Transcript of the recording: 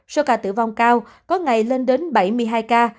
số ca tử vong cao có ngày lên đến bảy mươi hai ca